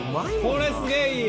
これすげえいい。